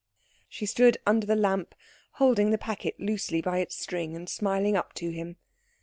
She stood under the lamp, holding the packet loosely by its string and smiling up to him.